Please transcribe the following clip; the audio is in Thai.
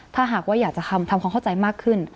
อยากจะทำของเข้าใจมากขึ้น